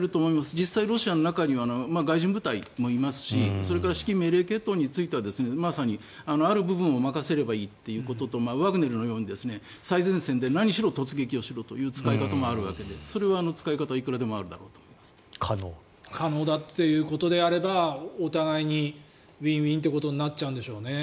実際、ロシアの中には外人部隊もいますしそれから指揮命令系統についてはまさにある部分を任せればいいということとワグネルのように最前線で何しろ突撃をしろという使い方もあるわけでそれは使い方はいくらでもあるだろうと可能だということであればお互いにウィンウィンとなっちゃうんでしょうね。